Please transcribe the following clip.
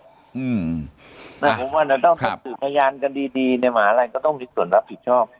ผมว่าจะต้องไปสืบพยานกันดีในมหาลัยก็ต้องมีส่วนรับผิดชอบ